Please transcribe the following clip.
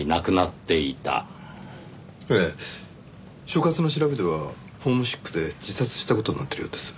所轄の調べではホームシックで自殺した事になってるようです。